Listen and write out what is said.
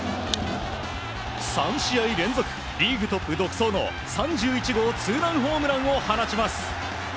３試合連続リーグトップ独走の３１号ツーランホームランを放ちます。